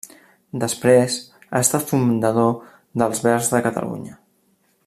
Després ha estat fundador d'Els Verds de Catalunya.